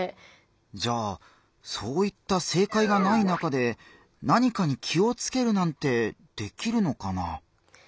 じゃあそういった正解がない中で何かに気をつけるなんてできるのかな？